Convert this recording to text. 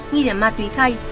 như là ma túy khay